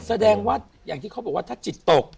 แสดงว่าอย่างที่เขาบอกว่าถ้าจิตตก